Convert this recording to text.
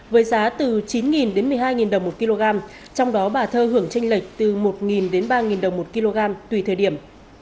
với giá từ chín đến một mươi hai đồng một kg trong đó bà thơ hưởng tranh lệch từ một đến ba đồng một kg tùy thời điểm